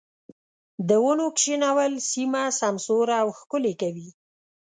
د ونو کښېنول سيمه سمسوره او ښکلې کوي.